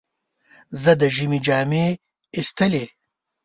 زه د ژمي جامې ایستلې.